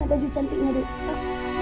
mana baju cantiknya dik